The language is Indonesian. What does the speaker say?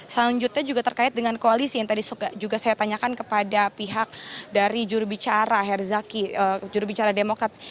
selanjutnya juga terkait dengan koalisi yang tadi juga saya tanyakan kepada pihak dari jurubicara herzaki jurubicara demokrat